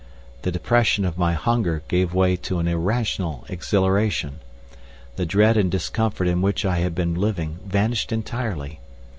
The depression of my hunger gave way to an irrational exhilaration. The dread and discomfort in which I had been living vanished entirely.